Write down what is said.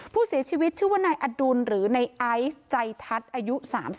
ผู้เสียชีวิตชื่อว่านายอดุลหรือในไอซ์ใจทัศน์อายุ๓๒